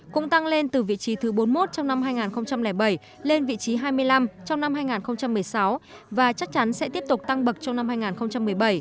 cũng tăng lên từ vị trí thứ bốn mươi một trong năm hai nghìn bảy lên vị trí hai mươi năm trong năm hai nghìn một mươi sáu và chắc chắn sẽ tiếp tục tăng bậc trong năm hai nghìn một mươi bảy